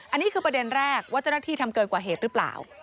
อันนี้คือประเด็นแรกว่าเจ้าหน้าที่ทำเกินกว่าเหตุหรือเปล่า